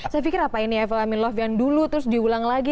saya pikir apa ini level amin love yang dulu terus diulang lagi